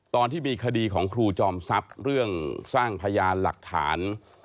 ตอนที่มีคดีของครูจอมทรัพย์เรื่องสร้างพยานหลักฐาน